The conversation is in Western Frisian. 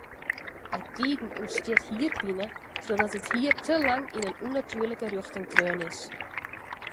Bytiden ûntstiet hierpine trochdat it hier te lang yn in ûnnatuerlike rjochting treaun is.